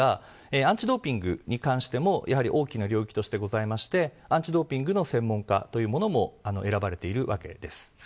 アンチドーピングに関してもやはり大きな領域としてありましてアンチドーピングの専門家というのも選ばれているわけです。